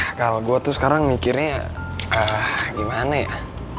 kalau gue tuh sekarang mikirnya gimana ya